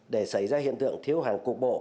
để xảy ra hiện tượng thiếu hàng cục bộ